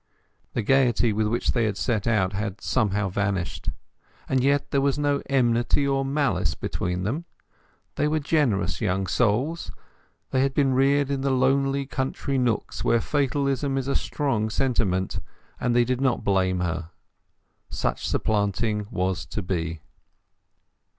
The gaiety with which they had set out had somehow vanished; and yet there was no enmity or malice between them. They were generous young souls; they had been reared in the lonely country nooks where fatalism is a strong sentiment, and they did not blame her. Such supplanting was to be.